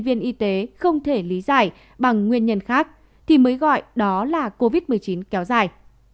viên y tế không thể lý giải bằng nguyên nhân khác thì mới gọi đó là covid một mươi chín kéo dài